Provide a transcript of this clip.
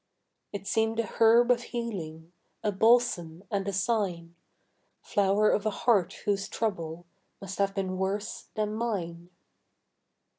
It seemed a herb of healing, A balsam and a sign, Flower of a heart whose trouble Must have been worse than mine.